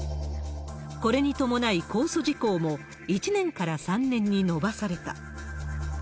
これに伴い、公訴時効も１年から３年に延ばされた。